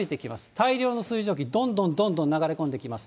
大量の水蒸気、どんどんどんどん流れ込んできます。